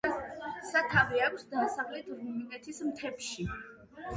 სათავე აქვს დასავლეთ რუმინეთის მთებში.